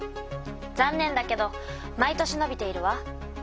残念だけど毎年のびているわ。